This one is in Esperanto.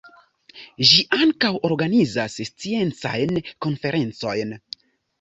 Ĝi ankaŭ organizas sciencajn konferencojn.